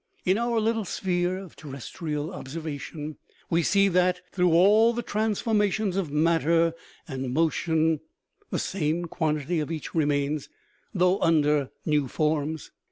In our little sphere of terrestrial observation we see that, through all the transformations of matter and mo tion, the same quantity of each remains, though under new forms.